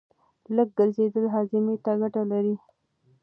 لږ ګرځېدل هاضمې ته ګټه لري.